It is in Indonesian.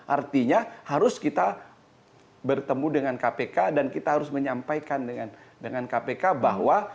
artinya harus kita bertemu dengan kpk dan kita harus menyampaikan dengan kpk bahwa